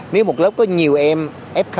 nếu một lớp có nhiều em f